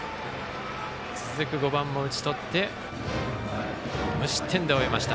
続く６番も打ちとって無失点で終えました。